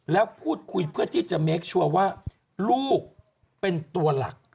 แล้วพูดคุยเพื่อที่จะเมคชัวร์ว่าลูกเป็นตัวหลัก